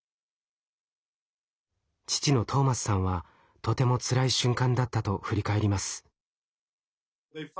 父のトーマスさんはとてもつらい瞬間だったと振り返ります。